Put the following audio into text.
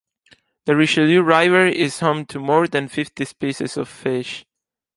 The Richelieu River is home to more than fifty species of fish.